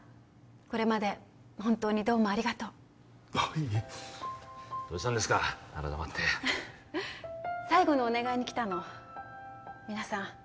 これまで本当にどうもありがとうあっいえどうしたんですか改まって最後のお願いに来たの皆さん